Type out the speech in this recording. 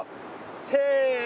せの。